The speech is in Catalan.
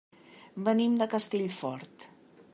Venim de Castellfort.